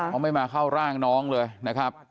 เขาไม่มาเข้าร่างน้องเลยนะครับ